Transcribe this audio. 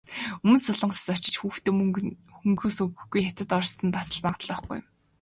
Өмнөд Солонгост очиж хүндээ хөнгөнөөс өгөхгүй, Хятад, Орост нь бас л магадлал байхгүй.